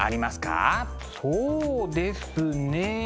そうですね。